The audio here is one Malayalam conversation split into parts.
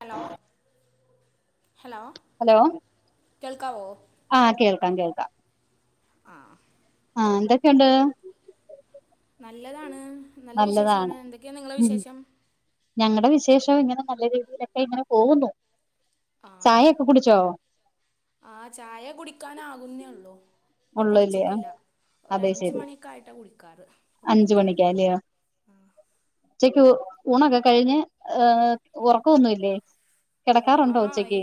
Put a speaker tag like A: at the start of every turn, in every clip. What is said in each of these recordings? A: ഹലോ ഹലോ
B: ഹലോ
A: കേൾക്കാവോ
B: ആഹ് കേൾക്കാം കേൾക്കാം
A: ആഹ്
B: ആഹ് എന്തൊക്കെയുണ്ട്
A: നല്ലതാണ് നല്ല
B: നല്ലതാണ്
A: വിശേഷമാണ് എന്തൊക്കെയാ നിങ്ങളെ
B: ഉം
A: വിശേഷം
B: ഞങ്ങടെ വിശേഷം ഇങ്ങനെ നല്ല രീതിയിലൊക്കെ ഇങ്ങനെ പോകുന്നു
A: ആഹ്
B: ചായയൊക്കെ കുടിച്ചോ
A: ആഹ് ചായ കുടിക്കാൻ ആകുന്നേ ഉള്ളൂ ഇപ്പൊ
B: ഉള്ളൂല്ലയോ
A: കുടിച്ചിട്ടില്ല ഒരു അഞ്ച് മണിയക്കായിട്ടാ കുടിക്കാറ് ഇപ്പം
B: അഞ്ചു
A: കുടിക്കാറില്ല
B: മണിക്കലയോ ഉച്ചക്ക് ഉണക്കെ കഴിഞ്ഞ് ഉറക്കൊന്നുല്ലേ
A: ആഹ്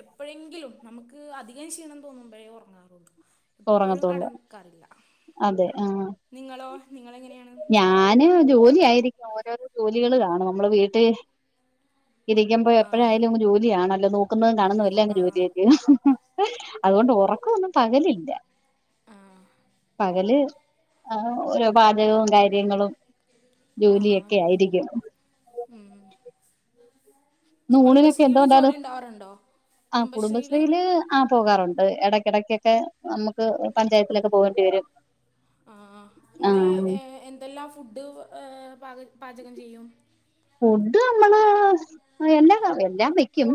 A: എപ്പോഴെങ്കിലും നമുക്ക് അധികം ക്ഷീണം തോന്നുമ്പോഴേ ഉറങ്ങാറുള്ളു എപ്പോഴും
B: ഉറങ്ങത്തുള്ളൂ
A: കടക്കാറില്ല
B: അതെ ആഹ്
A: നിങ്ങളോ നിങ്ങളെങ്ങനെയാണ്
B: ഞാന് ജോലി ആയിരി ഓരോരോ ജോലികൾ കാണും നമ്മള് വീട്ടില് ഇരിക്കുമ്പ
A: ആ
B: എപ്പോഴായാലും ഇങ്ങ് ജോലിയാണല്ലോ നോക്കുന്നതും കാണുന്നതും എല്ലാ അങ്ങ് ജോലിയായിരിക്കും അതുകൊണ്ട് ഉറക്കമൊന്നും പകലില്ല
A: ആഹ്
B: പകല് ആഹ് ഓരോ പാചകവും കാര്യങ്ങളും ജോലിയൊക്കെ ആയിരിക്കും
A: ഉം
B: ഇന്ന് ഊണിനൊക്കെ
A: കുടുംബശ്രീയില്
B: എന്തുകൊണ്ടാണ്
A: ജോലി ഉണ്ടാവാറുണ്ടോ കുടുംബശ്രീയില്
B: ആഹ് പോകാറുണ്ട് ഇടയ്ക്കിടക്കൊക്കെ നമുക്ക് പഞ്ചായത്തിലൊക്കെ പോകേണ്ടി വരും
A: ആഹ്
B: ആ
A: നിങ്ങളെ ഏ എന്തെല്ലാം ഫുഡ് പാ പാചകം ചെയ്യും
B: ഫുഡ് നമ്മള് എല്ലാം എല്ലാം വെക്കും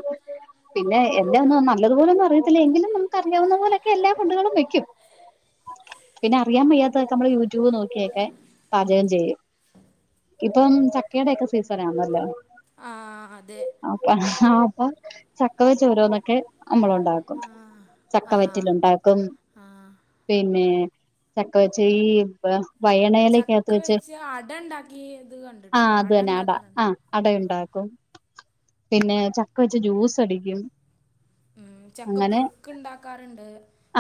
B: പിന്നെ എന്താ ഒന്നും നല്ലതുപോലെ അറിയത്തില്ല എങ്കിലും നമുക്ക് അറിയാവുന്ന പോലെയൊക്കെ എല്ലാ ഫുഡുകളും വെക്കും പിന്നെ അറിയാൻ വയ്യാത്ത ഒക്കെ നമ്മള് യൂട്യൂബ് നോക്കിയൊക്കെ പാചകം ചെയ്യും ഇപ്പം ചക്കയുടെയൊക്കെ സീസൺ ആണല്ലോ
A: ആ അതെ
B: അപ്പ ആഹ് അപ്പ ചക്ക വെച്ച് ഓരോന്നൊക്കെ നമ്മള് ഉണ്ടാക്കും
A: ആ
B: ചക്ക
A: ആ
B: വറ്റില ഉണ്ടാക്കും
A: ആ
B: പിന്നെ ചക്ക വെച്ച് ഈ
A: ചക്ക
B: വയണലക്കത്ത് വെച്ച്
A: അട ഉണ്ടാക്കിയത്
B: ആഹ്
A: കണ്ടിട്ടുണ്ട്
B: അത് തന്നെ അട
A: ഉണ്ടാക്കാറുണ്ട്
B: ആഹ് അടയുണ്ടാക്കും പിന്നെ ചക്ക വെച്ച് ജ്യൂസ് അടിക്കും
A: ഉം ചക്ക
B: അങ്ങനെ
A: പുഴുക്ക് ഉണ്ടാക്കാറുണ്ട്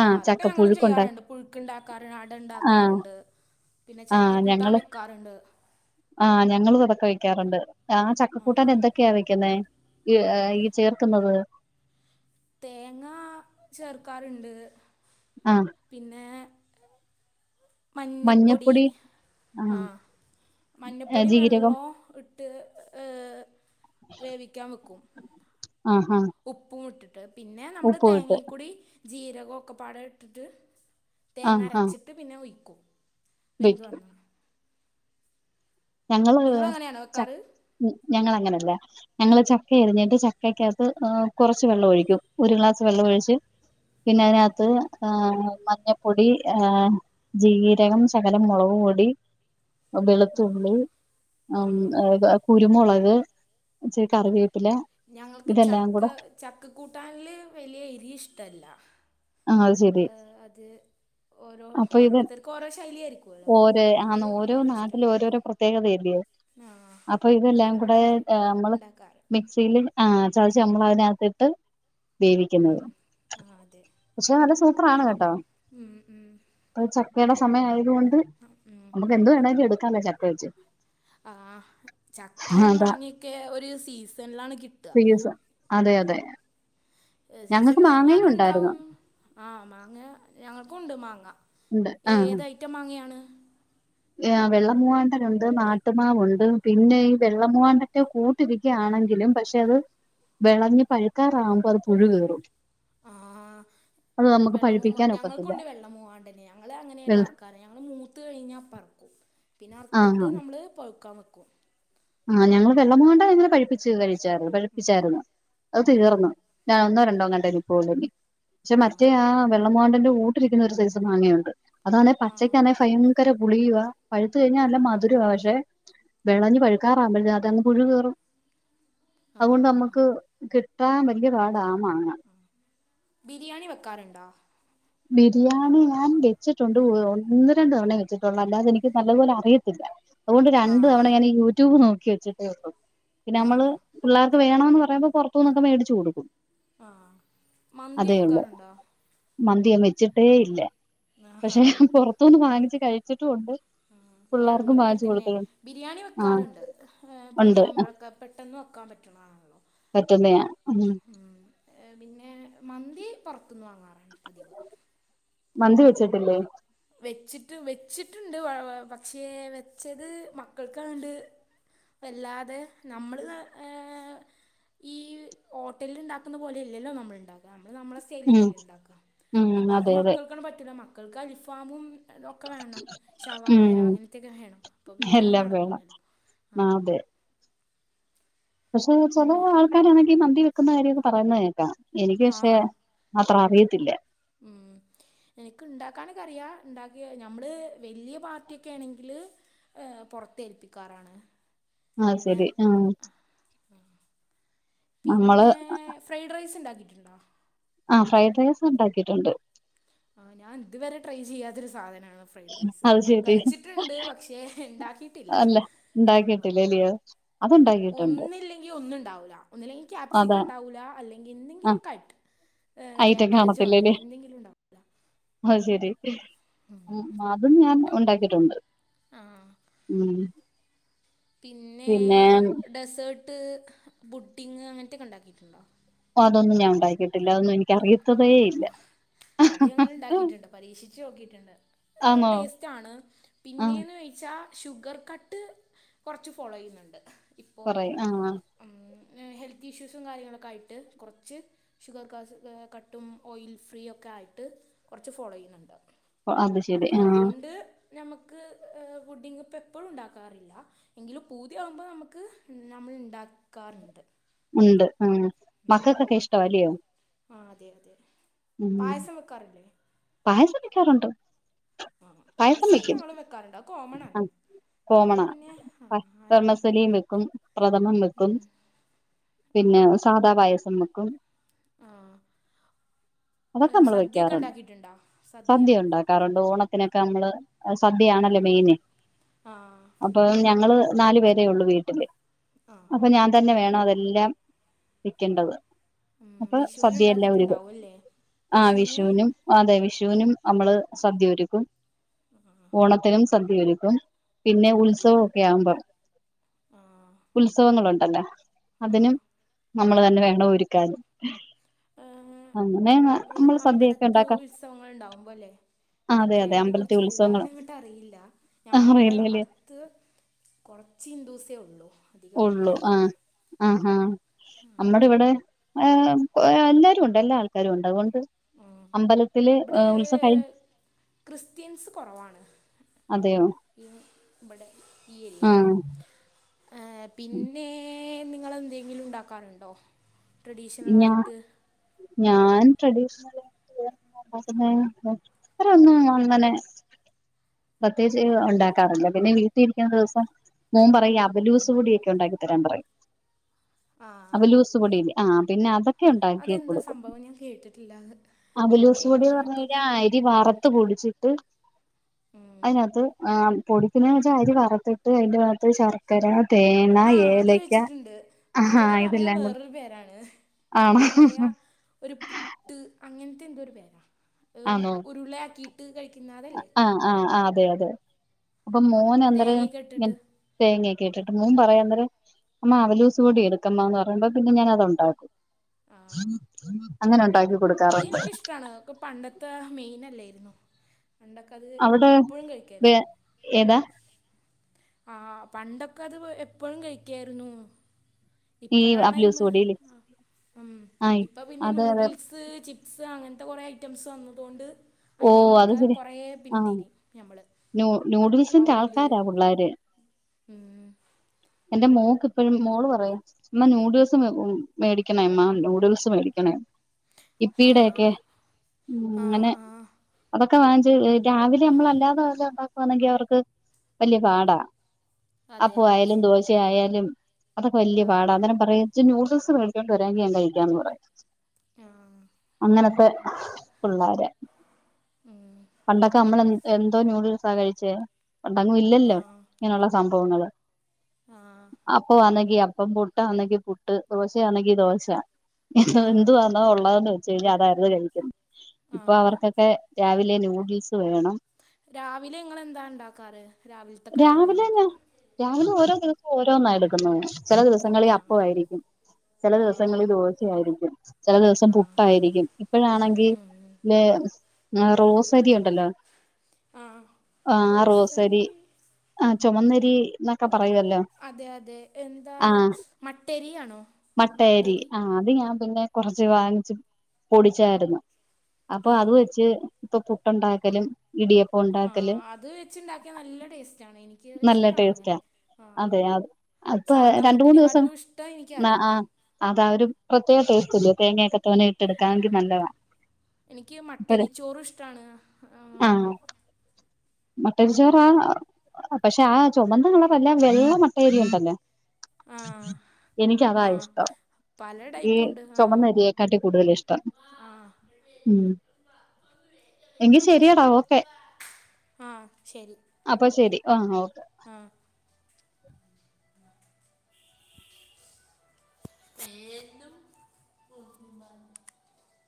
B: ആ
A: ഞാ അതൊക്കെ ഞങ്ങളും
B: ചക്കപ്പുഴുക്കുണ്ടാക്കി
A: ചെയ്യാറുണ്ട് പുഴുക്ക് ഇണ്ടാക്കാറണ്ട് അട
B: ആ
A: ഇണ്ടാക്കാറുണ്ട് പിന്നെ ചക്കക്കൂട്ടാൻ വെക്കാറുണ്ട്
B: ആഹ് ഞങ്ങൾ ഇതൊക്കെ വെക്കാറുണ്ട് ആഹ്
A: ആ
B: ചക്കക്കൂട്ടൻ എന്തൊക്കെയാ വെക്കുന്നെ ഈ ഈ ചേർക്കുന്നത്
A: തേങ്ങ ചേർക്കാറുണ്ട്
B: ആഹ്
A: പിന്നെ മഞ്ഞപ്പൊടി
B: ആ
A: ആഹ് മഞ്ഞപ്പൊടി
B: ജീരകം
A: വെള്ളോ ഇട്ട് ട്ട് വേവിക്കാൻ വെക്കും
B: ആഹ് ഹാ
A: ഉപ്പും ഇട്ടിട്ട് പിന്നെ നമ്മള് തേങ്ങക്കൂടി ജീരക ഒക്കപ്പാടം ഇട്ടിട്ട്
B: ആ
A: തേങ്ങ
B: ആ
A: അരച്ചിട്ട് പിന്നെ ഒഴിക്കൂ വെന്ത്
B: വെക്കും
A: വന്ന
B: ഞങ്ങള് ച
A: വെക്കാറ്
B: ഞങ്ങള് അങ്ങനെയല്ല ഞങ്ങള് ചക്ക അരിഞ്ഞിട്ട് ചക്കക്കകത്ത് കുറച്ച് വെള്ളം ഒഴിക്കും ഒരു ഗ്ലാസ് വെള്ളം ഒഴിച്ച് പിന്നെ അതിനകത്ത് മഞ്ഞപ്പൊടി ആഹ് ജീരകം ശകലം മുളക് പൊടി
A: ആ
B: തുള്ളി
A: ആ
B: കുരുമുളക് ചെ കറിവേപ്പില
A: ഞങ്ങൾക്ക്
B: ഇതെല്ലാം കൂടെ
A: ചക്കചക്കകൂട്ടാനില് വലിയ എരി ഇഷ്ടല്ല
B: ആ അത് ശരി
A: അത് ഓരോ
B: അപ്പൊ ഇത്
A: ഓരോരുത്തർക്കും ഓരോ ശൈലി ആായിരിക്കുവല്ലോ അ അത് വലിയ ഇഷ്ടല്ലോ
B: പ്രത്യേകതയല്ല അപ്പൊ ഇതെല്ലാം
A: ഞങ്ങളവിടെ
B: കൂടെ
A: അങ്ങനെ
B: നമ്മള്
A: ഉണ്ടാക്കാറ്
B: മിക്സിൽ ആഹ് ചാച്ച നമ്മള അതിനകത്തിട്ട് വേവിക്കുന്നത്
A: ഉം ആഹ് അതെ
B: പക്ഷെ നല്ല സൂത്രാണ് കേട്ടോ
A: ഉം
B: അപ്പ ചക്കയുടെ സമയംയതുകൊണ്ട്
A: ഉം
B: എന്തു വേണങ്കി എടുക്കാമേ ചക്കച്ച്
A: ആഹ് ചക്കയും മാങ്ങിയൊക്കെ ഒരു സീസണിലാണ് കിട്ടുക
B: സീസൺ അതെ അതെ
A: ഏ സീസൺ
B: ഞങ്ങൾക്ക് മാങ്ങയും
A: കഴിഞ്ഞാലും
B: ഉണ്ടായിരുന്നു
A: ഉണ്ടാവും ആഹ് മാങ്ങ ഞങ്ങൾക്കുണ്ട് മാങ്ങ
B: ഉണ്ട്
A: ഏത് ഐറ്റം മാങ്ങയാണ്
B: ആ വെള്ള മൂവാണ്ടൻ ഉണ്ട് നാട്ടുമാവുണ്ട് പിന്നെ ഈ വെള്ളമൂവാണ്ടൻ്റെ കൂ ട്ട് രിക്കയാണെങ്കിലും പക്ഷെ അത് വിളഞ്ഞ് പഴുക്കാറാവുമ്പോ അത് പുഴു കയറും
A: ആ വെള്ള മൂ മാ
B: പഴിപ്പിക്കാൻ ഒക്കത്തില്ല
A: ഞങ്ങൾക്കുണ്ട് വെള്ള മൂവാണ്ടന് ഞങ്ങള് അങ്ങനെ
B: വെള്ള
A: എല്ലാവർക്കും കാരണം ഞങ്ങൾ മൂത്ത് കഴിഞ്ഞാൽ അപ്പറക്കും പിന്നെ അറുത്തിട്ട്
B: ആഹ്
A: നമ്മള് പഴുക്കാൻ വയ്ക്കും
B: ആഹ് ഞങ്ങള് വെള്ള മൂവാണ്ടൻ അങ്ങനെ പഴുപ്പിച്ച് കഴിച്ചായിരുന്നു പഴിപ്പിച്ചായിരുന്നു. അത് തീർന്നു ഞാൻ ഒന്നോ രണ്ടോ ങ്ങാണ്ടേ നിപ്പോളിനി പക്ഷെ മറ്റേ
A: ആഹ്
B: ആ വെള്ളമൂവാണ്ടന്റെ കൂട്ടിലിരിക്കുന്ന ഒരു സൈസ് മാങ്ങയുണ്ട് അതാണേ
A: ആഹ്
B: പച്ചക്കാണേ ഭയങ്കര പുളിയുവാ പഴുത്തു കഴിഞ്ഞാ നല്ല മധുരവുവാ പക്ഷെ വെളഞ്ഞ് പഴുക്കാറാകുമ്പത്തേനും അതങ്ങ് പുഴു കേറും അതുകൊണ്ട്
A: ആഹ്
B: നമ്മുക്ക് കിട്ടാൻ വലിയ പാടാ ആ മാങ്ങ
A: ആ ബിരിയാണി വെക്കാറുണ്ടോ
B: ബിരിയാണി ഞാൻ വെച്ചിട്ടുണ്ട് ഒന്ന് രണ്ട് തവണയേ വെച്ചിട്ടുള്ളൂ അല്ലാതെനിക്ക് നല്ലപോലെ അറിയത്തില്ല അതുകൊണ്ട് രണ്ട് തവണ
A: ആഹ്
B: ഞനെ യൂട്യൂബ് നോക്കി വച്ചിട്ടേള്ളു പിന്നെ
A: ആ
B: നമ്മള് പിള്ളേർക്ക് വേണമെന്ന് പറയുമ്പോ പുറത്തൂന്നോക്കേ മേടച്ച് കൊടുക്കും
A: ആഹ് മന്തി വെക്കാറുണ്ടോ
B: മന്തിയ വച്ചിട്ടേ ഇല്ല
A: ആഹാ
B: പക്ഷെഞൻ പുറത്തനിന്ന് വാങ്ങിച്ച് കഴിച്ചിട്ടുണ്ട്
A: മ് ഞങ്ങളും ഇങ്ങനെ തന്നെ ബിരിയാണി
B: ആ
A: വെക്കാറുണ്ട്
B: ഉണ്ട്
A: പുതിയാവുമ്പോഴൊക്കെ പെട്ടെന്ന് വെക്കാൻ പറ്റണതാണല്ലോ
B: പറ്റുന്നെയാ ഉം
A: ഉം ഏ പിന്നെ മന്തി പുറത്തുന്ന് വാങ്ങാറാണ് പതിവ്
B: മന്തി വെച്ചിട്ടില്ലേ
A: വെച്ചിട്ട് വെച്ചിട്ടുണ്ട് പക്ഷേ വെച്ചത് മക്കൾക്കാണ്ട് വല്ലാതെ നമ്മള് ഏ ഹ് ഈ ഹോട്ടലിൽ ഉണ്ടാക്കുന്ന പോലെല്ലല്ലോ നമ്മൾ ഉണ്ടാക്കു നമ്മള് നമ്മുടെ
B: ഉം
A: സ്റ്റൈലിലല്ലേ ഉണ്ടാക്കുക
B: ഉം
A: അപ്പ അത്
B: അതെ അതെ
A: മക്കൾക്കാണ് പറ്റില്ല മക്കൾക്ക് അലിഫാമും അതൊ ഒക്കെ വേണം
B: ഉം
A: ശവായ അങ്ങനത്തൊക്കെ വേണം അപ്പോൾ പിന്നെത്
B: എല്ലാം വേണം
A: നടക്കലല്ലോ ആ
B: പക്ഷെ ചെല
A: പിന്നെ
B: ആൾക്കാരാണെങ്കിൽ മന്തി വെക്കുന്ന കാര്യൊക്കെ പറയുന്നത് കേക്കാം എനിക്ക്
A: ആ
B: പക്ഷേ അത്ര അറിയത്തില്ല
A: ഉം എനക്ക് ഉണ്ടാക്കാനൊക്കറിയ ഉണ്ടാക്കിയ നമ്മള് വലിയ പാർട്ടിയൊക്കെ ആണെങ്കില് ഏ പുറത്തേൽപ്പിക്കാറാണ്
B: ആഹ്
A: പിന്നെ
B: ശരി
A: ആഹ് ഉം പിന്നെ
B: നമ്മള്
A: പിന്നെ ഫ്രൈഡ് റൈസ് ഉണ്ടാക്കിയിട്ടുണ്ടോ
B: ആ ഫ്രൈഡ് റൈസ് ഉണ്ടാക്കിയിട്ടുണ്ട്
A: ആ ഞാൻതുവരെ ട്രൈ ചെയ്യാത്തൊരു സാധനമാണ് ഫ്രൈഡ് റൈസ്
B: അത് ശരി
A: കഴിച്ചിട്ടുണ്ട് പക്ഷേ ഉണ്ടാക്കിയിട്ടില്ല ഓ
B: യോ
A: ഒന്നില്ലെങ്കിൽ ഒന്നും ഉണ്ടാവൂല ഒന്നില്ലെങ്കിൽ
B: അതാ
A: ക്യാപ്സിക്കം ഉണ്ടാവൂല്ല അല്ലെങ്കിൽ എന്തെങ്കിലും
B: ആഹ്
A: ഒക്കെ ആയിട്ട്
B: ഐറ്റം
A: ക്യാബേജോ
B: കാണത്തില്ലല്ലേ
A: അല്ലെങ്കിൽ എന്തെങ്കിലും ഉണ്ടാവും
B: അത് ശരി ഉം അതും ഞാൻ ഉണ്ടാക്കിയിട്ടുണ്ട്
A: ആഹ്
B: ഉം
A: പിന്നെ ഡെസേർട്ട് ബുഡിങ് അങ്ങനത്തൊക്കെ ഉണ്ടാക്കിയിട്ടുണ്ടോ
B: ഓ അതൊന്നും ഞാൻ ഉണ്ടാക്കിട്ടില്ല അതൊന്നും എനിക്ക് അറിയത്തതേ ഇല്ല
A: അത് ഞങ്ങൾ ഉണ്ടാക്കിയിട്ടുണ്ട് പരീക്ഷിച്ച് നോക്കിട്ടുണ്ട്
B: ആന്നോ
A: ടേസ്റ്റ് ആണ്
B: ആഹ്
A: പിന്നെന്ന് വെ- വെച്ചാ ഷുഗർ കട്ട് കുറച്ച് ഫോളോ ചെയ്യുന്നുണ്ട് ഇപ്പോ
B: കൊറേ ആഹ്
A: ഉം ഹെൽത്ത് ഇഷ്യൂസും കാര്യങ്ങളൊക്കെ ആയിട്ട് കുറച്ച് ഷുഗർ കാ കട്ട് കട്ടും ഓയിൽ ഫ്രീ ഒക്കെ ആയിട്ട് കുറച്ച് ഫോളോ ചെയ്യുന്നുണ്ട്
B: അത് ശരി
A: അപ്പോ
B: ആഹ്
A: അതുകൊണ്ട് നമുക്ക് വുഡിങ്ങ് ഇപ്പ എപ്പോഴും ഉണ്ടാക്കാറില്ല എങ്കിലും പൂതിയാവുമ്പോ നമുക്ക് നമ്മൾ ഇണ്ടാക്കാറുണ്ട്
B: ഉണ്ട് അഹ് മക്കൾക്കൊക്കെ ഇഷ്ടം അല്ലിയോ
A: ആഹ് അതെ അതെ
B: ഉം
A: പായസം വെക്കാറില്ലേ
B: പയസം വെക്കാറുണ്ട്
A: ആഹ് പായസം ഞങ്ങൾ വെക്കാറുണ്ട് അത് കോമൺ ആണ്
B: ആഹ്
A: അത്
B: കോമണാ
A: പിന്നെ ആ ആർക്കും
B: ബർമസല്ലിയും വെക്കും പ്രഥമൻ വക്കും
A: ആ
B: പിന്നെ സാധാപായസം വക്കും
A: ആഹ്
B: അതൊക്കെ നമ്മൾ വെക്കാറുണ്ട് സദ്യ ഉണ്ടാക്ക- ക്കാറുണ്ട് ഓണത്തിനൊക്കെ നമ്മള് സദ്യയാണല്ലേ
A: ഉം
B: മെയിന്
A: ആ
B: അപ്പം ഞങ്ങള് നാല് പേരേ ഉള്ളൂ വീട്ടില്
A: ആ
B: അപ്പ ഞാൻ തന്നെ വേണം അതെല്ലാം വക്കേണ്ടത് അപ്പൊ സദ്യയെല്ലാം ഒരുക്കും
A: ഒല്ലേ
B: ആഹ് വിഷുവിനും അതെ വിഷുവിനും നമ്മള് സദ്യ ഒരുക്കും ഓണത്തിനും സദ്യയൊരുക്കും പിന്നെ
A: ആ
B: ഉത്സവമൊക്കെ ആകുമ്പം
A: ആ
B: ഉത്സവങ്ങുണ്ടല്ലേ
A: ആ
B: അതിനും നമ്മൾ തന്നെ വേണം ഒരുക്കാനും
A: അഹ്
B: നമ്മള് സദ്യയൊക്കെ
A: അമ്പലത്ത്
B: ഉണ്ടാക്കാ
A: ഉത്സവങ്ങൾ ഉണ്ടാവുമ്പോ അല്ലേ
B: ആ അതെ
A: എനിക്ക്
B: അതെ
A: അതിനെ
B: അമ്പലത്തി
A: കുറിച്ച്
B: ഉത്സവങ്ങൾ
A: വല്ലാതങ്ങ് അറിയില്ല ഞമ്മള് ഇവിടെ
B: അറിയില്ലേല്ലേ
A: അടു- ത്ത് കൊറച്ച ഹിന്ദുസേ ഉള്ളു
B: ഉള്ളൂ ആഹ് ആഹ് ആഹ് നമ്മ- ഇവിടെ എല്ലാരും ഉണ്ട് എല്ലാ ആൾക്കാരും ഉണ്ട് അതുകൊണ്ട്
A: അഹ്
B: അമ്പലത്തില്
A: ഇവിടെ
B: ഉത്സവം കഴി
A: ക്രിസ്ത്യൻസ് കുറവാണ്
B: അതെയോ
A: ഈ ഇവിടെ ഈ ഏരിയയില്
B: ആഹ്
A: അഹ് പിന്നെ നിങ്ങളെന്തെങ്കിലും ഉണ്ടാക്കാറുണ്ടോ ട്രഡീഷണൽ
B: ഞാ
A: ആയിട്ട്
B: ഞാൻ ട്രഡീഷണൽ ആയിട്ട് എന്താ ഉണ്ടാക്കുന്നേ വേറെ ഒന്നും അങ്ങനെ പ്രത്യേകിച്ച് ഉണ്ടാക്കാറില്ല പിന്നെ വീട്ടിലിരിക്കുന്ന ദിവസം മോൻ പറയും ഈ
A: ഉം.
B: അവിലൂസ് പൊടിയൊക്കെ ഉണ്ടാക്കി തരാൻ പറയും
A: ആ
B: അവിലൂസ്പൊടി ഇല്ലേ ആ പിന്നെ അതൊ- ഉണ്ടാക്കി
A: അതെന്താ
B: കൊടുക്കും
A: സംഭവം ഞാൻ കേട്ടിട്ടില്ല അത് അത്
B: അവുലൂസ്
A: ഓരോ
B: പൊടി പറഞ്ഞ കഴിഞ്ഞാൽ അരി
A: നാട്ടിലാകുമ്പോൾ
B: വറുത്തി- ത്ത് പൊടിച്ചിട്ട് അതിനകത്ത് പൊടിക്കുന്ന വെച്ചാ അരി വറത്തിട്ട് അതിന്റെകത്ത് ശർക്കര തേ-
A: ആഹ് അത് കഴിച്ചിട്ടുണ്ട് ഇവിടെ
B: ഇതെല്ലാം
A: പറയാ
B: കൂടെ
A: വേറൊരു പേരാണ്
B: ആണോ
A: ഇവിടെ പറയാ ഒരു പുട്ട് അങ്ങനത്തെ എന്തോ ഒരു പേരാ
B: ആന്നോ
A: ഉരുളയാക്കിട്ട് ക്കിയിട്ട് കഴിക്കുന്ന അതല്ലേ
B: ആഹ് ആഹ് ആ് അതെ അതെ അപ്പൊ
A: ആ
B: മോന് അന്തരം
A: തേങ്ങയൊക്കെ ഇട്ടിട്ട്
B: തേങ്ങയൊക്കെ ഇട്ടിട്ട് മൂൻ പറയാൻന്നരു അമ്മ അവലൂസ് കടി എടുക്കമ്മ എന്ന് പറയുമ്പോ പിന്നെ ഞാന അത് ഉണ്ടാക്കും അങ്ങനെ ഉണ്ടാക്ക
A: അത്െനിക്കിഷ്ടമാണ് ഒക്കെ പണ്ടത്തെ മെയിനല്ലായിരുന്നു പണ്ടൊക്കെ അത്
B: അവിടെ
A: എപ്പോഴും കഴിക്കായിരുന്നു
B: ഏതാ
A: ആ പണ്ടൊക്കെ അത് എപ്പോഴും കഴിക്കായിരുന്നു
B: ഈ
A: ഇപ്പഴാ ടൈം
B: അവലൂസ് പൊടിയില്
A: ഉ
B: ആഹ്
A: ഇപ്പൊ പിന്നെ
B: അത്
A: നൂഡിൽസ് സ് അങ്ങനത്തെ കുറേ ഐറ്റംസ് വന്നതുകൊണ്ട്
B: ഓ അത്
A: അയി്മന്നൊക്കെ
B: ശരി
A: കുറേ
B: ആഹ്
A: പിന്തിരി ഞമ്മള് അവല്
B: പിള്ളരെ
A: ഉം
B: എന്റെ മോക്ക് ഇപ്പഴും മോള് പറയും അമ്മ നൂഡിൽസ് മേടിക്കണമ്മ യൂഡിൽസ് മേടിക്കണ
A: ആ
B: ഇപ്പീടെ ഒക്കെ ഉ
A: ആ
B: അങ്ങനെ
A: ആ
B: ഇതൊക്കെ വാങ്ങ രാവിലെ നമ്മളല്ലാതെ പോലെ ഉണ്ടാക്ക വണെങ്കിൽ അവർക്ക് വല്യ പാടാ
A: അതെ
B: അപ്പ
A: അതെ
B: ആയാലും ദോശ ആയാലും അതൊക്കെ വല്യ
A: ആ
B: പാടാ അങ്ങനം പറയ ഇജ്ജ് നൂഡിൽസ് മേടിച്ചോണ്ട് വരാൻ ഞാൻ കഴകാന്ന് പറയും
A: ആ
B: അങ്ങനത്തെ പിള്ളരെ
A: ഉം
B: പണ്ടൊക്കെ നമ്മൾ എ എന്തോ ന്യൂഡിൽസാ കഴിച്ചേ പണ്ടങ്കും ഇല്ലല്ലോ ഇങ്ങനെയുള്ള സംഭവങ്ങള്
A: ആഹ
B: അപ്പ അണെങ്കി അപ്പം പുട്ട് അനെങ്കി പുട്ട് ദോശ അണെങ്കി ദോശ
A: ആഹ്
B: എന്തുവാ ഉള്ളതെന്ന് വെച്ച കഴിഞ്ഞാൽ അതായിരുന്നു കഴിക്കുന്നു ഇപ്പൊ
A: ആഹ്
B: അവർക്കൊക്കെ രാവിലെ നൂഡിൽസ് വേണം
A: രാവിലെ ഇങ്ങെളെന്താ ഉണ്ടാക്കാറ് രാവിലത്തെ കടികൾ
B: രാവിലെ രാവിലെ ഓരോ ദിവസം ഓരോന്നായി എടുക്കുന്നു ചില ദിവസങ്ങളിൽ
A: ആഹ്
B: അപ്പയിരിക്കും ചില
A: ആഹ്
B: ദിവസങ്ങളിൽ ദോശ ആായിരിക്കും ചില ദിവസം
A: ആഹ്
B: പുട്ടായിരിക്കും ഇപ്പഴാണെങ്കിൽ
A: ഉം
B: ആ റോസ് അരി ഉണ്ടല്ലോ
A: ആഹ്
B: ആ റോസരി ആഹ ചുമന്നരി ഒക്കെ പറയുവല്ലോ
A: അതെ അതെ എന്താ
B: ആ
A: മട്ടരിയാണോ
B: മട്ടയരി
A: മട്ടരി
B: ആ അത് ഞാൻ പിന്നെ കൊറച്ച് വാങ്ങിച്ച് പൊടിച്ചായിരുന്നു അപ്പൊ അത്
A: ആഹ്
B: വെ ച്ച്. ഇപ്പ പുട്ടുണ്ടാക്കലും ഇടിയ
A: ആ അത് വെച്ചുണ്ടാക്കിയാ നല്ല ടേസ്റ്റ ആാണ് എനിക്ക്
B: നല്ല
A: ഇഷ്ടമാണ് അങ്ങനെ
B: ടേസ്റ്റാ
A: ആ
B: അതെ അത് അപ്പൊ
A: സാദാ
B: രണ്ട് മൂന്ന് ദിവസം
A: പുട്ടിനെക്കാട്ടിലും ഇഷ്ട എനക്ക്
B: ആ ആ
A: അതാണ്
B: അതാ ഒരു പ്രത്യേക ടേസ്റ്റ്ല്ലോ തേങ്ങയൊക്കെ തോനെ ഇട്ട്ടുക്കാമെങ്കിൽ
A: ഉം
B: നല്ലതാണ്
A: എനിക്ക് മട്ടരിച്ചോറും ഇഷ്ടമാണ്
B: മട്ടൊരി ചോർ ആ പക്ഷെ ആ ചുമന്ന കളർ വല്ല വെള്ളമട്ട അരിയും ഉണ്ടല്ലോ
A: ആ
B: എനിക്ക് അതാ
A: ആ
B: ഇഷ്ടം
A: പല
B: ഈ
A: ടൈപ്പുണ്ട് ആ
B: ചുമന്നരിയേക്കാട്ട് കൂടുതൽ ഇഷ്ടം ഉം
A: വ അതുഴ
B: എങ്കി ശരിയടാ ഓക്കെ
A: ആ ശരി
B: അപ്പൊ ശെരി ആഹ ഓക്കെ
A: ആ [inaudible]